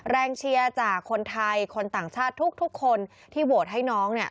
เชียร์จากคนไทยคนต่างชาติทุกคนที่โหวตให้น้องเนี่ย